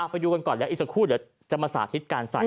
ไปดูกันก่อนแล้วอีกสักครู่เดี๋ยวจะมาสาธิตการใส่